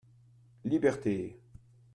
Liberté !